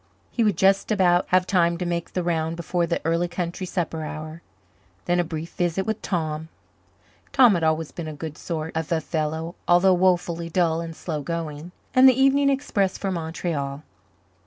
He would just about have time to make the round before the early country supper hour. Then a brief visit with Tom Tom had always been a good sort of a fellow although woefully dull and slow going and the evening express for Montreal.